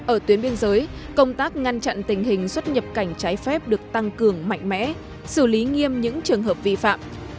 ở tuyến biên giới công tác ngăn chặn tình hình xuất nhập cảnh trái phép được tăng cường mạnh mẽ xử lý nghiêm những trường hợp vi phạm